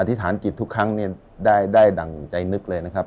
ธิษฐานจิตทุกครั้งได้ดั่งใจนึกเลยนะครับ